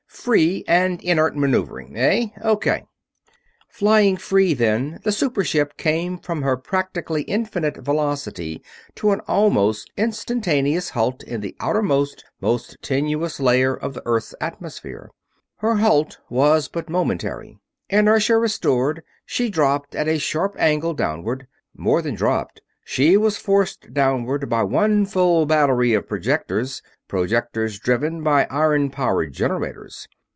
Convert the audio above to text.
'Free' and 'Inert' maneuvering, eh? O.K." Flying "free", then, the super ship came from her practically infinite velocity to an almost instantaneous halt in the outermost, most tenuous layer of the Earth's atmosphere. Her halt was but momentary. Inertia restored, she dropped at a sharp angle downward. More than dropped; she was forced downward by one full battery of projectors; projectors driven by iron powered generators.